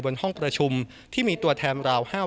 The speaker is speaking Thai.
ห้องประชุมที่มีตัวแทนราว